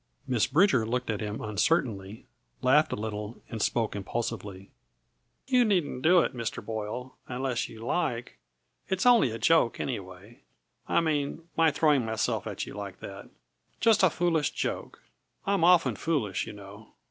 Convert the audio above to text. Miss Bridger looked at him uncertainly, laughed a little and spoke impulsively. "You needn't do it, Mr. Boyle, unless you like. It's only a joke, anyway; I mean, my throwing myself at you like that. Just a foolish joke; I'm often foolish, you know.